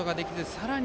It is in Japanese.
さらに